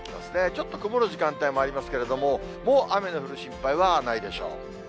ちょっと曇る時間もありますけれども、もう雨の降る心配はないでしょう。